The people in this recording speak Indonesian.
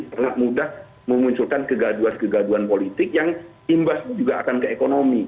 sangat mudah memunculkan kegaduan kegaduan politik yang imbasnya juga akan ke ekonomi